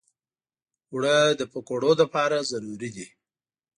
اوړه د پکوړو لپاره ضروري دي